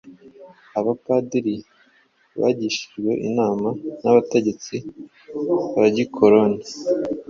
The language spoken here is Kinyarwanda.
Abapadiri bagishijwe inama n'abategetsi ba gikoloni